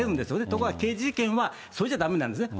ところが刑事事件は、それじゃだめなんですね。